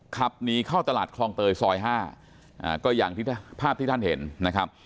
ขับหนีเข้าตลาดคลองเตยซอย๕ก็อย่างที่ภาพที่ท่านเห็นนะครับ